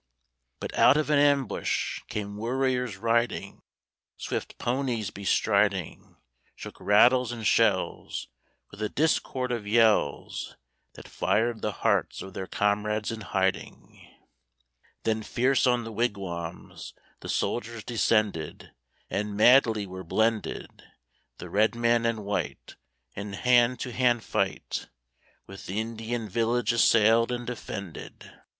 But out of an ambush Came warriors riding, Swift ponies bestriding, Shook rattles and shells, With a discord of yells. That fired the hearts of their comrades in hiding. Then fierce on the wigwams The soldiers descended, And madly were blended, The red man and white In a hand to hand fight, With the Indian village assailed and defended.